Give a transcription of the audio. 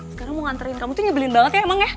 sekarang mau nganterin kamu tuh nyebelin banget ya emang ya